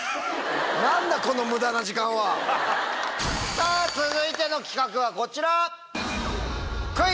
さぁ続いての企画はこちら！